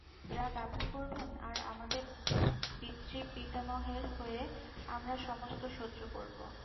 রাগ আপনি করবেন–আর আমাদের পিতৃপিতামহের হয়ে আমরা সমস্ত সহ্য করব!